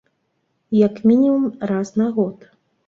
Як мінімум раз на год.